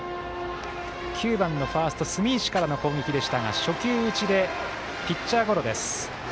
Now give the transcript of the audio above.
９番のファースト住石からの攻撃でしたが、初球打ちでピッチャーゴロです。